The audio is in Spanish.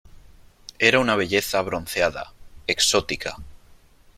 era una belleza bronceada , exótica ,